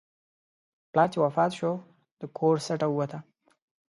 پلار چې وفات شو، د کور سټه ووته.